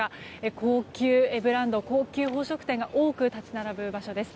高級ブランド、高級宝飾店が多く立ち並ぶ場所です。